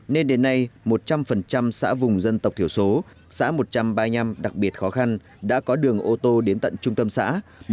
nên đến nay một trăm linh xã vùng dân tộc thiểu số xã một trăm ba mươi năm đặc biệt khó khăn đã có đường ô tô đến tận trung tâm xã